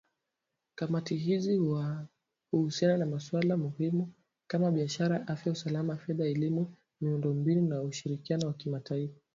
Kamati hizi huhusiana na masuala muhimu kama biashara , afya , usalama , fedha , elimu , miundombinu na ushirikiano wa kimataifa